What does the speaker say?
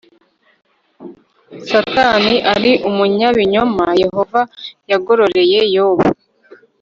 Satani ari umunyabinyoma Yehova yagororeye Yobu